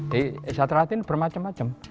di setia hati ini bermacam macam